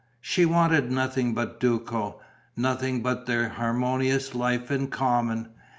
She wanted nothing but Duco, nothing but their harmonious life in common.